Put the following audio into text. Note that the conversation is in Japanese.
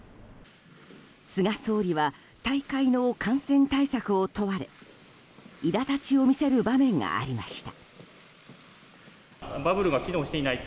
菅総理は大会の感染対策を問われいら立ちを見せる場面がありました。